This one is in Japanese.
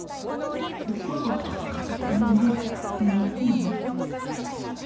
ていうか何でこの組み合わせなんですか？